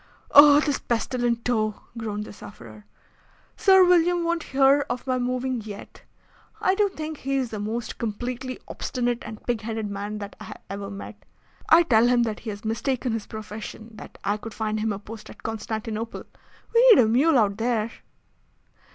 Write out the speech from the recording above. "Oh! this pestilent toe!" groaned the sufferer. "Sir William won't hear of my moving yet. I do think he is the most completely obstinate and pig headed man that I have ever met. I tell him that he has mistaken his profession, and that I could find him a post at Constantinople. We need a mule out there."